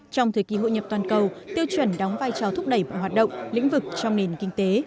trong thời kỳ hội nhập toàn cầu tiêu chuẩn đóng vai trò thúc đẩy mọi hoạt động lĩnh vực trong nền kinh tế